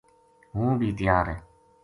ہوں بی تیار ہے‘‘